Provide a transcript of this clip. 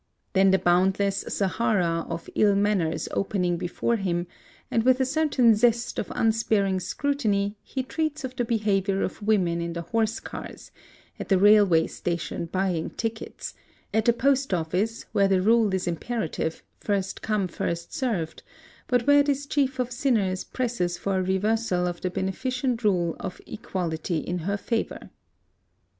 Then the boundless Sahara of ill manners opening before him, and with a certain zest of unsparing scrutiny, he treats of the behavior of women in the horse cars, at the railway station buying tickets, at the post office, where the rule is imperative, first come first served, but where this chief of sinners presses for a reversal of the beneficent rule of equality in her favor.